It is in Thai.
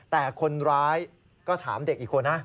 แต่คนร้ายก็ถามเด็กอีกคนนะ